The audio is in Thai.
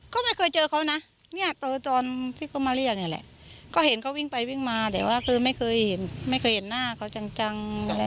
ก็ไม่เคยเจอเขานะเนี่ยเจอตอนที่เขามาเรียกเนี่ยแหละก็เห็นเขาวิ่งไปวิ่งมาแต่ว่าคือไม่เคยเห็นไม่เคยเห็นหน้าเขาจัง